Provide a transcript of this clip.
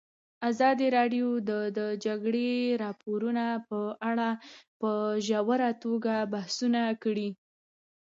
ازادي راډیو د د جګړې راپورونه په اړه په ژوره توګه بحثونه کړي.